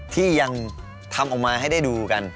ที่ยังทำออกมาให้ได้ดูกัน